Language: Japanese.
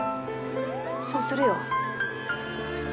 そうするよ